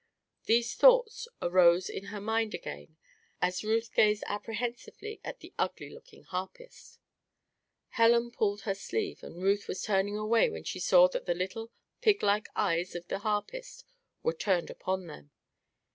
These thoughts arose in her mind again as Ruth gazed apprehensively at the ugly looking harpist. Helen pulled her sleeve and Ruth was turning away when she saw that the little, piglike eyes of the harpist were turned upon them.